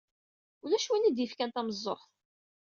Ulac win i d-yefkan tameẓẓuɣt.